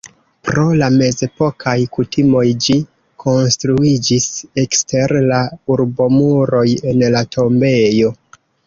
Pro la mezepokaj kutimoj ĝi konstruiĝis ekster la urbomuroj en la tombejo.